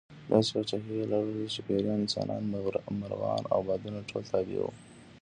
داسې پاچاهي یې لرله چې پېریان، انسانان، مرغان او بادونه ټول تابع وو.